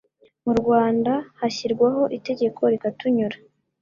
Mu Rwanda hashyirwaho Itegeko rikatunyura